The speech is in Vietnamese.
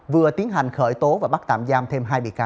vừa tiến hành khởi tố và bắt tạm giam thêm hai bị can